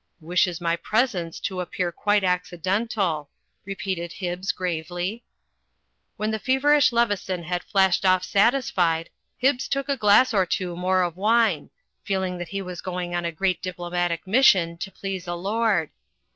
'Wishes my presence to appear quite accidental," repeated Hlbbs, gravely. When the feverish Leveson had flashed off satis fied, Hibbs took a glass or two more of wine; feeling that he was going on a great diplomatic mission to please a lord.